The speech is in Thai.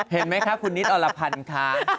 เห็นไหมคะคุณนิดอรพันธ์ค่ะ